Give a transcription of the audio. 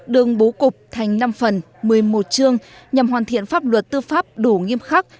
đường bố cục thành năm phần một mươi một chương nhằm hoàn thiện pháp luật tư pháp đủ nghiêm khắc